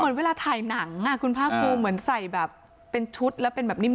เหมือนเวลาถ่ายหนังคุณภาคภูมิเหมือนใส่แบบเป็นชุดแล้วเป็นแบบนิ่ม